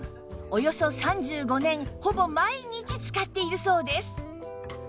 およそ３５年ほぼ毎日使っているそうです